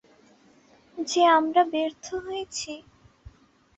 যে আমরা ব্যর্থ হয়েছি?